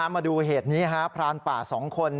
มาดูเหตุนี้ครับพรานป่าสองคน